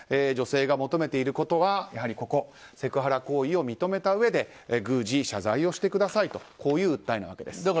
女性が求めていることは、やはりセクハラ行為を認めたうえで宮司に謝罪をしてくださいとこういう訴えなわけです。